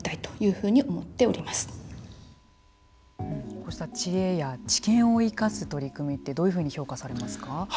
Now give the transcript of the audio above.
こうした知恵や知見を生かす取り組みってどういうふうに評価されますか。